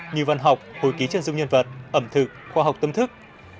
như văn học hồi ký chân dung nhân vật ẩm thực khoa học tâm thức